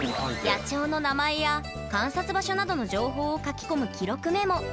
野鳥の名前や観察場所などの情報を書き込む記録メモ。